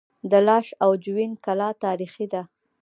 د لاش او جوین کلا تاریخي ده